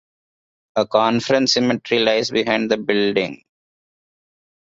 A Confederate cemetery lies behind the building.